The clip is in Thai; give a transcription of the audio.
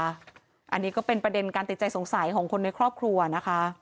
อันนี้ก็เป็นประเด็นการติดใจสงสัยของคนในครอบครัวนะคะ